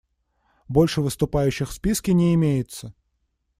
Больше выступающих в списке не имеется.